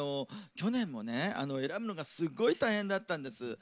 去年もね選ぶのがすごい大変だったんです。